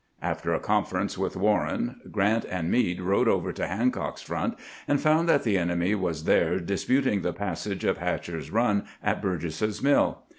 After a conference with Warren, Grant and Meade rode over to Hancock's front, and found that the enemy was there disputing the passage of Hatcher's Run at Burgess's Mill.